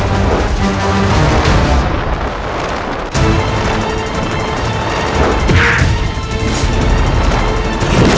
gawat aku harus menolong orang buta itu